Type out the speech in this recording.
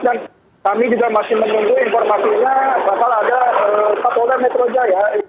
dan kami juga masih menunggu informasinya bakal ada kapol dan metro jaya